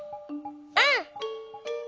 うん！